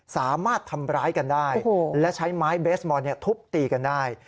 สามารถทำร้ายกันได้และใช้ไม้เบสบอลทุบตีกันได้